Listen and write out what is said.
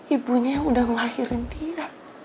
ibunya udah ngelahirin dia